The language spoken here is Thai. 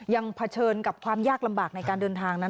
เผชิญกับความยากลำบากในการเดินทางนั้น